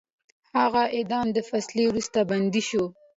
هغه د اعدام د فیصلې وروسته بندي شو.